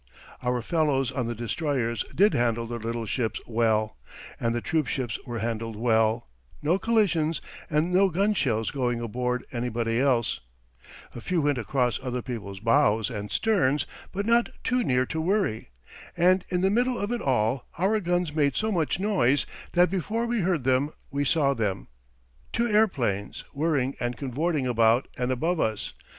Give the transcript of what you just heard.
Our fellows on the destroyers did handle their little ships well. And the troop ships were handled well no collisions and no gun shells going aboard anybody else. A few went across other people's bows and sterns, but not too near to worry. And in the middle of it all, our guns made so much noise that before we heard them we saw them two airplanes, whirring and cavorting about and above us.